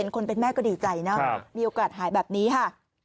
คนเป็นแม่ก็ดีใจนะมีโอกาสหายแบบนี้ค่ะ